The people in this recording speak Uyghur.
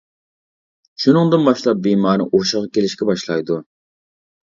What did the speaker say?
شۇنىڭدىن باشلاپ بىمار ھوشىغا كېلىشكە باشلايدۇ.